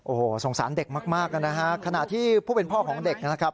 โอ้โหสงสารเด็กมากนะฮะขณะที่ผู้เป็นพ่อของเด็กนะครับ